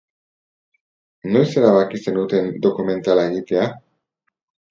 Noiz erabaki zenuten dokumentala egitea?